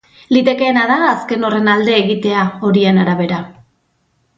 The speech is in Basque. Litekeena da azken horren alde egitea, horien arabera.